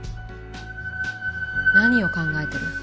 何を考えてる？